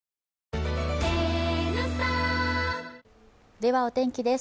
では、お天気です。